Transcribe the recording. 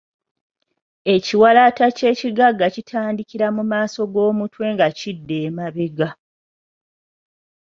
Ekiwalaata eky’ekigagga kitandikira mu maaso g'omutwe nga kidda emabega.